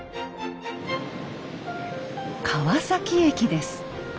川崎駅です。